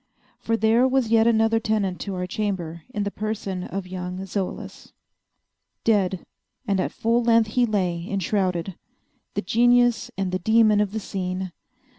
For there was yet another tenant of our chamber in the person of young Zoilus. Dead, and at full length he lay, enshrouded; the genius and the demon of the scene.